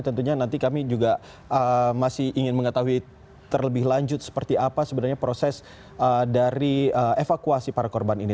tentunya nanti kami juga masih ingin mengetahui terlebih lanjut seperti apa sebenarnya proses dari evakuasi para korban ini